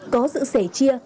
có sự sẻ chia